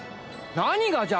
何がじゃ。